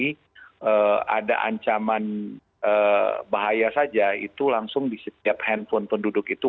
jadi ada ancaman bahaya saja itu langsung di setiap handphone penduduk itu